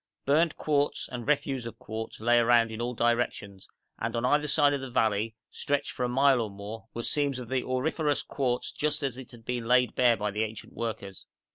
Burnt quartz and refuse of quartz lay around in all directions, and on either side of the valley, stretched for a mile or more, were seams of the auriferous quartz just as it had been laid bare by the ancient workers.